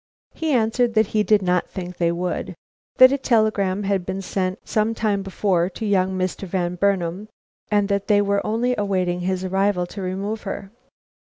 He answered that he did not think they would. That a telegram had been sent some time before to young Mr. Van Burnam, and that they were only awaiting his arrival to remove her.